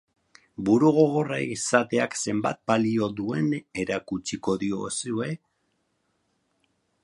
Burugogorra izateak zenbat balio duen erakutsiko diozue?